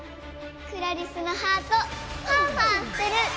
クラリスのハートファンファンしてる。